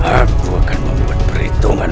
aku akan membuat perhitungan